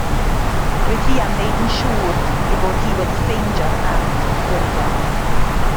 Roedd hi am wneud yn siŵr ei bod hi wedi ffeindio'r ardd ddirgel.